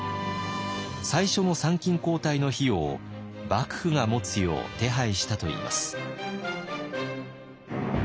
最初の参勤交代の費用を幕府が持つよう手配したといいます。